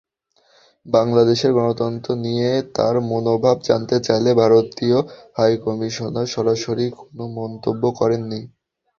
বাংলাদেশের গণতন্ত্র নিয়ে তাঁর মনোভাব জানতে চাইলে ভারতীয় হাইকমিশনার সরাসরি কোনো মন্তব্য করেননি।